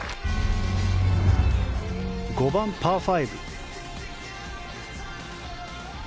５番、パー５。